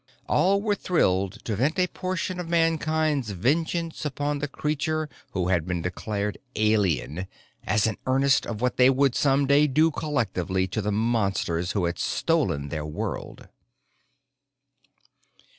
All were thrilled to vent a portion of Mankind's vengeance upon the creature who had been declared alien, as an earnest of what they would some day do collectively to the Monsters who had stolen their world.